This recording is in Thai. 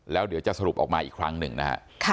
แล้วเดี๋ยวจะสรุปออกมาอีกครั้งหนึ่งนะฮะ